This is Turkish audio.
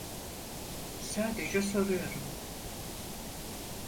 Sadece soruyorum.